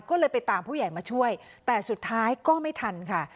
ก็เลยไปตามผู้ใหญ่มาช่วยแต่สุดท้ายก็ไม่ทันค่ะ